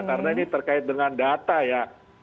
karena ini terkait dengan data ya